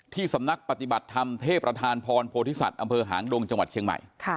สำนักปฏิบัติธรรมเทพประธานพรโพธิสัตว์อำเภอหางดงจังหวัดเชียงใหม่